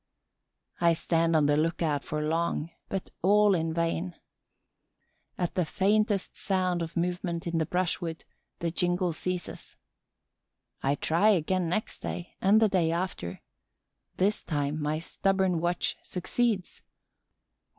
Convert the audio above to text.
I stand on the lookout for long, but all in vain. At the faintest sound of movement in the brushwood, the jingle ceases. I try again next day and the day after. This time, my stubborn watch succeeds.